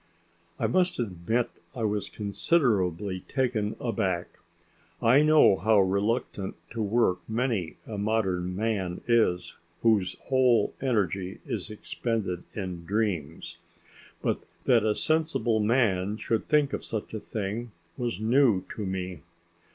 I must admit I was considerably taken aback. I know how reluctant to work many a modern man is whose whole energy is expended in dreams. But that a sensible man should think of such a thing was new to me.